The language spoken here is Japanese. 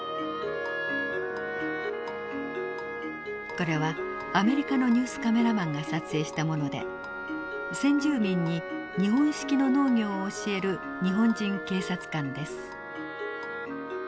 これはアメリカのニュースカメラマンが撮影したもので先住民に日本式の農業を教える日本人警察官です。